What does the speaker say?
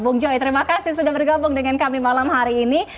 bung joy terima kasih sudah bergabung dengan kami malam hari ini